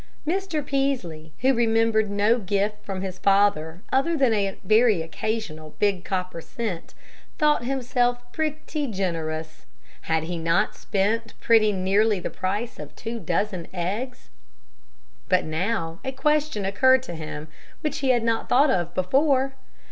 Mr. Peaslee, who remembered no gift from his father other than a very occasional big copper cent, thought himself pretty generous. Had he not spent pretty nearly the price of two dozen eggs? But now a question occurred to him which he had not thought of before.